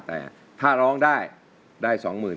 แต่ถ้าร้องได้ได้สองหมื่น